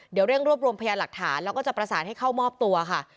เดี๋ยวเร่งรวบรวมพยานหลักฐานแล้วก็จะประสานให้เข้ามอบตัวค่ะ